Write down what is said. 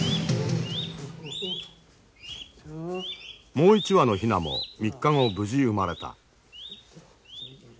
もう一羽のヒナも３日後無事生まれた。